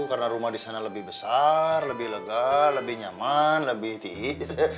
karena rumah di sana lebih besar lebih legal lebih nyaman lebih tihis